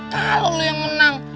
kalau lo yang menang